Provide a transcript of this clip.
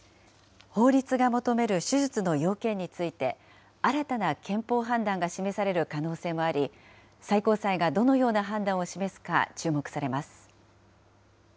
法律が求める手術の要件について、新たな憲法判断が示される可能性もあり、最高裁がどのような判断を示すか注目されます。